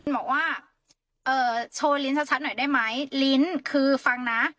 บอกว่าโชว์ลิ้นชัดหน่อยได้ไหมลิ้นคือฟังนะ